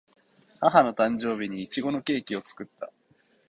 母の誕生日にいちごのケーキを作った